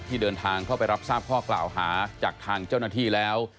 เดินทางเข้าไปรับทราบข้อกล่าวหาจากทางเจ้าหน้าที่แล้ว